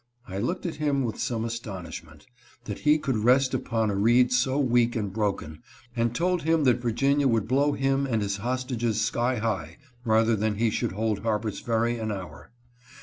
I looked at him with some astonishment, that he could rest upon a reed so weak and broken, and told him that Virginia would blow him and his hostages sky high, rather than that he should hold Harper's Ferry an hour.